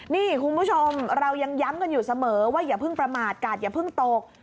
นี่คุณผู้ชมเรายังย้ำกันอยู่เสมอว่าอย่าเพิ่งประมาทกาดอย่าเพิ่งตก